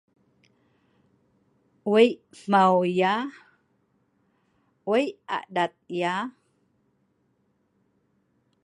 Wei maeu yeh'wei adat yeh'.